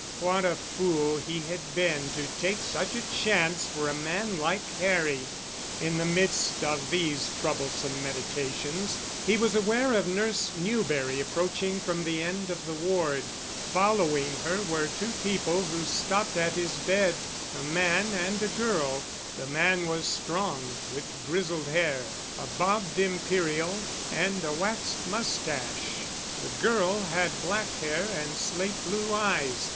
What a fool he had been to take such a chance for a man like Harry! In the midst of these troublesome meditations, he was aware of Nurse Newberry approaching from the end of the ward. Following her were two people who stopped at his bed, a man and a girl. The man was strong, with grizzled hair, a bobbed Imperial and a waxed mustache. The girl had black hair and slate blue eyes.